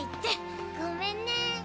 ごめんね。